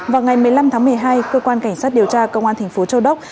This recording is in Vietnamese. vào ngày một mươi năm tháng một mươi hai cơ quan cảnh sát điều tra công an thành phố châu đốc